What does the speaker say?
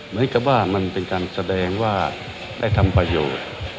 เหมือนกับว่ามันเป็นการแสดงว่าได้ทำประโยชน์